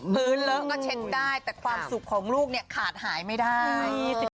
เลอะก็เช็คได้แต่ความสุขของลูกเนี่ยขาดหายไม่ได้